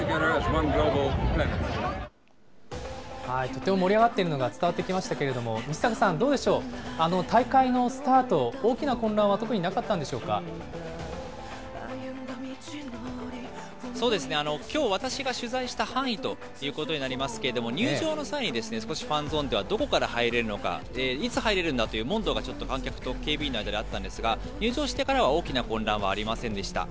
とっても盛り上がっているのが伝わってきましたけれども、西阪さん、どうでしょう、大会のスタート、大きな混乱は特になかっそうですね、きょう私が取材した範囲ということになりますけれども、入場の際に少しファンゾーンでは、どこから入れるのか、いつ入れるんだという問答が観客と警備員の間であったんですが、入場してからは大きな混乱はありませんでした。